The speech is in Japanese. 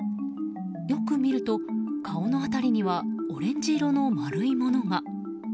よく見ると、顔の辺りにはオレンジ色の丸いものが。